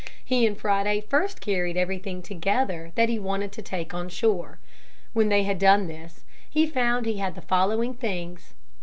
He and Friday first carried everything together that he wanted to take on shore. When they had done this, he found he had the following things.